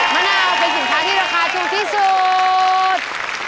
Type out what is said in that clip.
มะนาวเป็นสินค้าที่ราคาถูกที่สุด